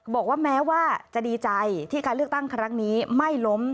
บอกว่าแม้ว่าจะดีใจที่การเลือกตั้งครั้งนี้ไม่ล้ม